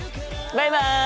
バイバイ！